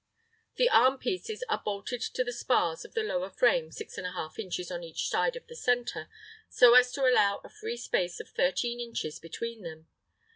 The arm pieces are bolted to the spars of the lower frame 6½ inches on each side of the centre, so as to allow a free space of 13 inches between them.